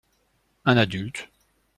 Un adulte.